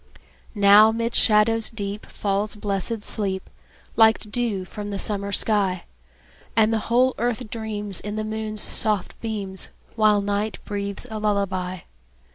Now 'mid shadows deep Falls blessed sleep, Like dew from the summer sky; And the whole earth dreams, In the moon's soft beams, While night breathes a lullaby.